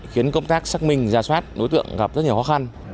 khiến công tác xác minh ra soát đối tượng gặp rất nhiều khó khăn